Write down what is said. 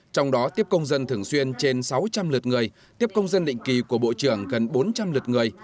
trong đó tiếp công dân thường xuyên trên sáu trăm linh lượt người tiếp công dân định kỳ của bộ trưởng gần bốn trăm linh lượt người